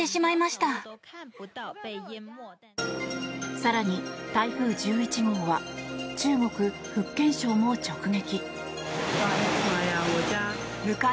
更に台風１１号は中国・福建省も直撃。